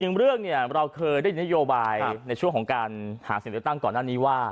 หนึ่งเรื่องเนี่ยเราเคยได้นโยบายในช่วงของการหาเสียงเลือกตั้งก่อนหน้านี้ว่า